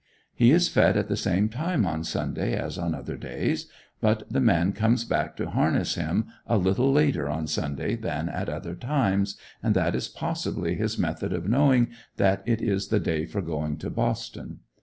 He is fed at the same time on Sunday as on other days, but the man comes back to harness him a little later on Sunday than at other times, and that is possibly his method of knowing that it is the day for going to Boston.